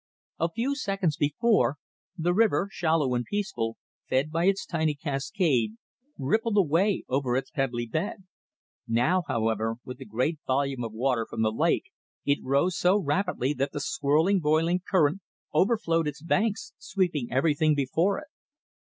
A few seconds before, the river, shallow and peaceful, fed by its tiny cascade, rippled away over its pebbly bed; now, however, with the great volume of water from the lake it rose so rapidly that the swirling, boiling current overflowed its banks, sweeping everything before it.